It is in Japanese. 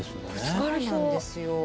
そうなんですよ。